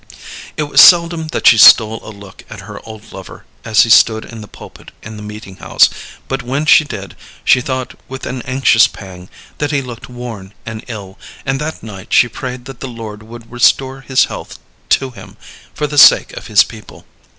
It was seldom that she stole a look at her old lover as he stood in the pulpit in the meeting house, but when she did she thought with an anxious pang that he looked worn and ill, and that night she prayed that the Lord would restore his health to him for the sake of his people.